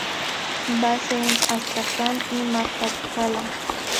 Base en Astracán y Majachkalá.